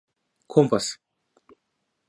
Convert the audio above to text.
Компас